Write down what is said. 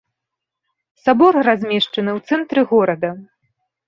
Сабор размешчаны ў цэнтры горада.